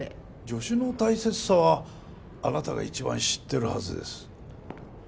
助手の大切さはあなたが一番知ってるはずです。